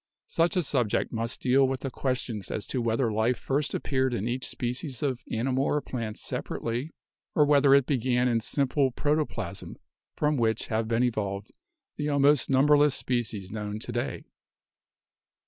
Such a subject must deal with the questions as to whether life first appeared in each species of animal or plant separately, or whether it began in simple proto plasm from which have been evolved the almost number less species known to day.